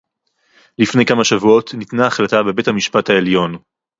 לפני כמה שבועות ניתנה החלטה בבית-המשפט העליון